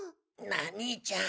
なあ兄ちゃん